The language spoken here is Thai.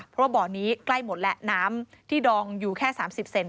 เพราะว่าบ่อนี้ใกล้หมดแหละน้ำที่ดองอยู่แค่๓๐เซนติเมตรเอง